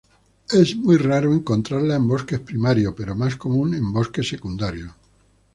Es muy raro encontrarla en bosques primarios, pero más común en bosques secundarios.